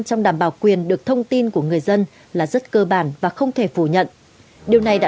trong đảm bảo quyền được thông tin của người dân là rất cơ bản và không thể phủ nhận điều này đã